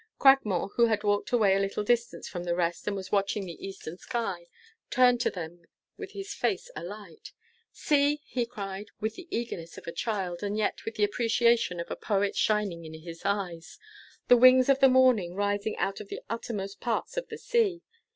Cragmore, who had walked away a little distance from the rest, and was watching the eastern sky, turned to them with his face alight. "See!" he cried, with the eagerness of a child, and yet with the appreciation of a poet shining in his eyes; "the wings of the morning rising out of the uttermost parts of the sea."